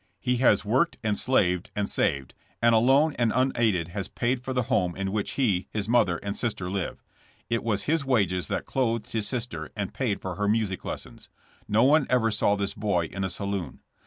He has worked and slaved and saved, and alone and unaided has paid for the home in which he, his mother and sister live. It was his wages that clothed his sister and paid for her music lessons. No one ever saw this boy in a saloon.